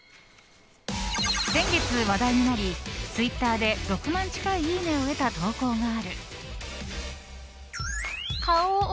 先月話題となりツイッターで６万近いいいねを得た投稿がある。